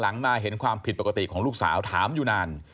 มาเห็นความผิดปกติของลูกสาวถามอยู่นาน